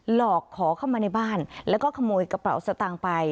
หลอกขอเข้ามาในบ้านแล้วก็ขโมยกระเป๋าสตางค์ไป